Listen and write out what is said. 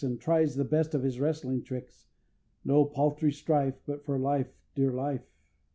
And tries the best of his wrestling tricks, No paltry strife, But for life, dear life.